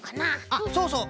あっそうそう